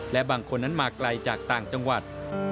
และบางคนนั้นมาไกลจากต่างจังหวัด